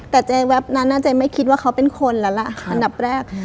แต่เจ๊แวบนั้นเจ๊ไม่คิดว่าเขาเป็นคนแล้วล่ะอันดับแรก